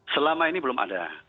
selama ini belum ada